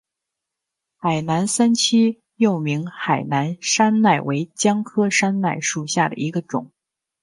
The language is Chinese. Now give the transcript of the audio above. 海南三七又名海南山柰为姜科山柰属下的一个种。